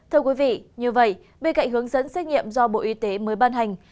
thưa quý vị như vậy bên cạnh hướng dẫn xét nghiệm do bộ y tế mới ban hành